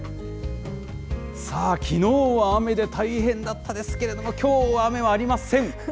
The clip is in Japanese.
さあ、きのうは雨で大変だったですけれども、きょうは雨はありません。